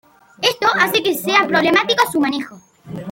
Esto hace que sea problemático su manejo.